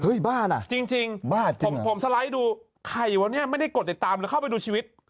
บ้านอ่ะจริงผมสไลด์ดูใครวะเนี่ยไม่ได้กดติดตามหรือเข้าไปดูชีวิต